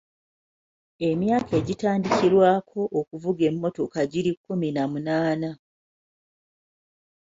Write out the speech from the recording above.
Emyaka egitandikirwako okuvuga emmotoka giri kkumi na munaana.